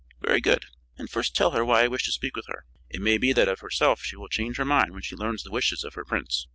"Very good; and first tell her why I wish to speak with her. It may be that of herself she will change her mind when she learns the wishes of her prince.